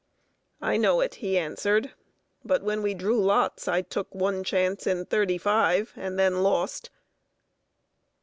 "I know it," he answered. "But, when we drew lots, I took one chance in thirty five, and then lost!"